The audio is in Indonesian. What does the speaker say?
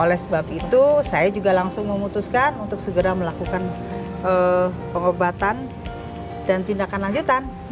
oleh sebab itu saya juga langsung memutuskan untuk segera melakukan pengobatan dan tindakan lanjutan